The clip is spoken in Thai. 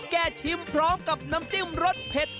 ชิมพร้อมกับน้ำจิ้มรสเผ็ด